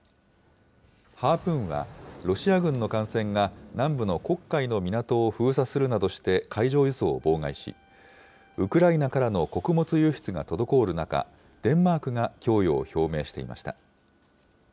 ハープーンは、ロシア軍の艦船が南部の黒海の港を封鎖するなどして、海上輸送を妨害し、ウクライナからの穀物輸出が滞る中、デンマークが供与を表明していました。